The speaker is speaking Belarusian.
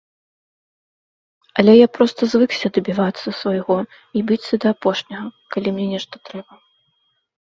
Але я проста звыкся дабівацца свайго і біцца да апошняга, калі мне нешта трэба.